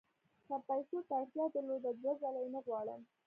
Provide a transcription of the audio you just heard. که پیسو ته اړتیا درلوده دوه ځله یې نه غواړم.